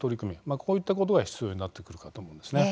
こういったことが必要となってくるかと思います。